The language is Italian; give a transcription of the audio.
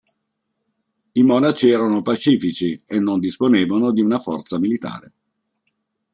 I monaci erano pacifici e non disponevano di una forza militare.